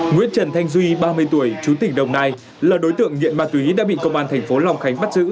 nguyễn trần thanh duy ba mươi tuổi chú tỉnh đồng nai là đối tượng nghiện ma túy đã bị công an thành phố long khánh bắt giữ